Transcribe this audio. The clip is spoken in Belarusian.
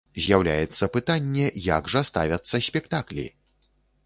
З'яўляецца пытанне, як жа ставяцца спектаклі?